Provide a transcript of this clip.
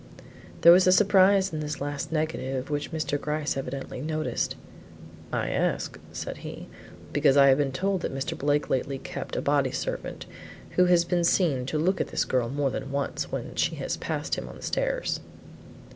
There was a surprise in this last negative which Mr. Gryce evidently noticed. "I ask," said he, "because I have been told that Mr. Blake lately kept a body servant who has been seen to look at this girl more than once, when she has passed him on the stairs."